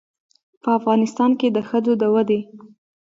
په افغانستان کې د ښځو د ودې